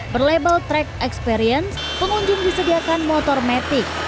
berlabel track experience pengunjung disediakan motor metik